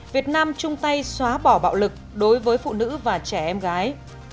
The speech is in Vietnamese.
việt nam chung tay xóa bỏ bạo lực đối với phụ nữ và trẻ em gái